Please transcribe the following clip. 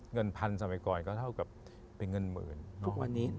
เงินพันสมัยก่อนเท่ากับเป็นเงินหมื่น